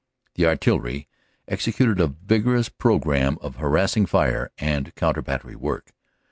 The artillery executed a vigorous programme of harassing fire and counter battery work.